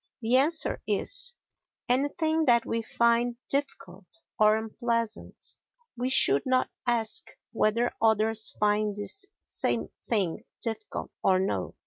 the answer is, "Anything that we find difficult or unpleasant." We should not ask whether others find this same thing difficult or no.